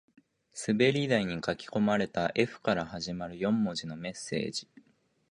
滑り台に書き込まれた Ｆ から始まる四文字のメッセージ